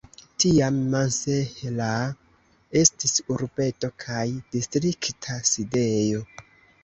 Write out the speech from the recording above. Tiam Mansehra estis urbeto kaj distrikta sidejo.